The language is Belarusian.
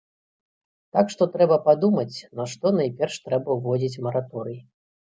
Так што трэба падумаць, на што найперш трэба ўводзіць мараторый.